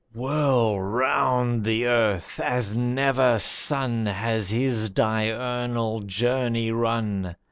Whirl round the earth as never sun Has his diurnal journey run.